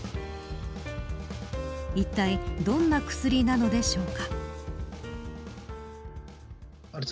いったい、どんな薬なのでしょうか。